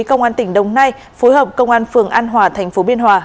công an tỉnh đồng nai phối hợp công an phường an hòa tp biên hòa